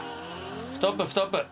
ストップストップ！